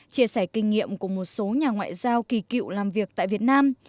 chia sẻ kinh nghiệm của một số nhà ngoại giao kỳ cựu làm việc tại việt nam